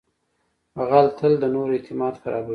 غل تل د نورو اعتماد خرابوي